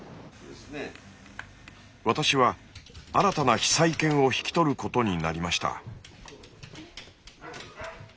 私は新たな被災犬を引き取ることになりました。